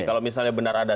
kalau misalnya benar ada